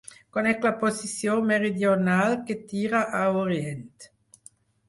Conec la posició meridional que tira a orient.